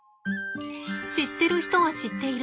知ってる人は知っている。